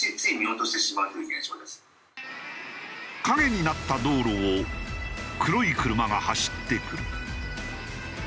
影になった道路を黒い車が走ってくる。